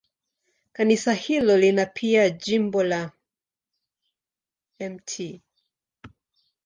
Kanisa hilo lina pia jimbo la Mt.